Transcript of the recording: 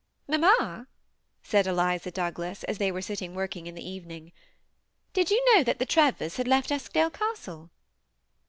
^ Mamma/' said Eliza Douglas, as ihey were Bitting working in the evening, ^ did jou know that the Trevors had left Eskdale Castle?"